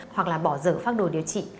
hoặc là bỏ dở phác đồ điều trị